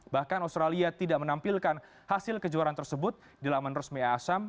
bahkan australia tidak menampilkan hasil kejuaraan tersebut di laman resmi asam